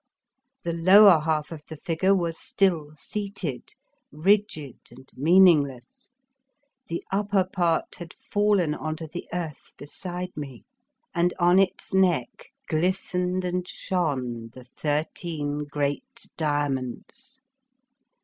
The lower half of the figure was still seated, rigid and meaningless; the upper part had fallen onto the earth beside me, and on its neck glistened and shone the thir teen great diamonds.